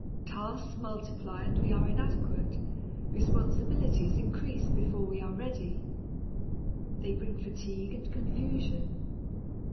Tasks multiply and we are inadequate, responsibilities increase before we are ready. They bring fatigue and confusion.